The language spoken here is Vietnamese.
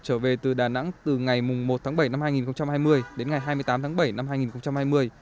trở về từ đà nẵng từ ngày một tháng bảy năm hai nghìn hai mươi đến ngày hai mươi tám tháng bảy năm hai nghìn hai mươi